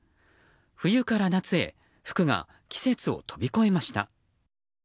冬から夏へ服が季節を飛び越えました。